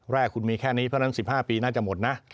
แรกคุณมีแค่นี้เพราะฉะนั้น๑๕ปีน่าจะหมดนะ